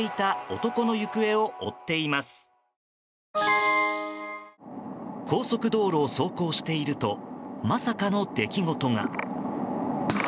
高速道路を走行しているとまさかの出来事が。